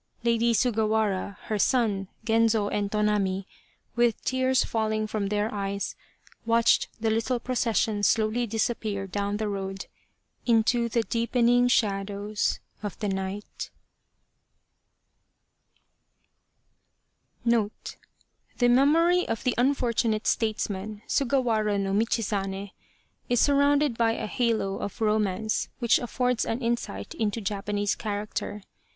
Lady Sugawara, her son, Genzo and Tonami, with tears falling from their eyes, watched the little procession slowly disappear down the road into the deepening shadows of the night. NOTE. " The memory of the unfortunate statesman, Sugawara no Michizane, is surrounded by a halo of romance which affords an insight into Japanese character.